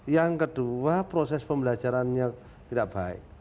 yang kedua proses pembelajarannya tidak baik